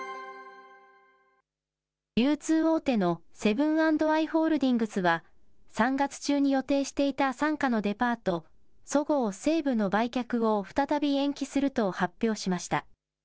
流通大手のセブン＆アイ・ホールディングスは３月中に予定していた傘下のデパート、そごう・西武の売却を再び延期すると発表しました。